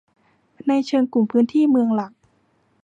ในเชิงกลุ่มพื้นที่เมืองหลัก